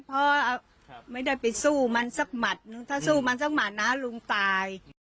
พอลูกล้มไปมันกระทืบลูกเลย